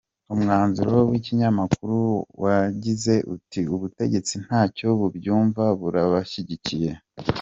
Umwanzuro w’ikinyamakuru wagize uti : “Ubutegetsi ntacyo bubyumvaho burabashyigikiye.